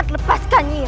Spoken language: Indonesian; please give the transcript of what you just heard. tepaskan nyi iroh